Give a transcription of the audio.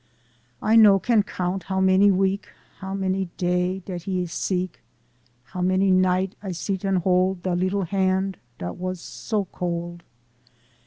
"I no can count how many week, How many day, dat he ees seeck; How many night I sect an' hold Da leetla hand dat was so cold.